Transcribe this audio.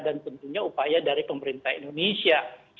dan tentunya upaya dari pemerintah indonesia